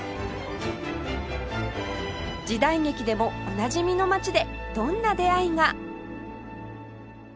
時代劇でもおなじみの街でどんな出会いが？